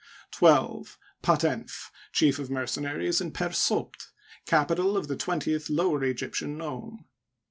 12. Patenf, Chief of Mercenaries in Per Sopd, capital of the twentieth Lower Egyptian nome.